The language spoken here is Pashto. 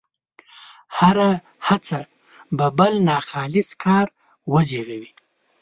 هره هڅه به بل ناخالص کار وزېږوي.